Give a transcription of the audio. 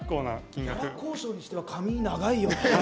ギャラ交渉にしては髪、長いよね。